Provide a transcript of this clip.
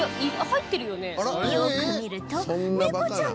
「入ってるよね」